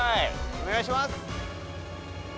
お願いします！